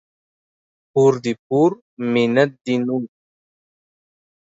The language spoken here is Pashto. پور دي پور ، منت دي نور.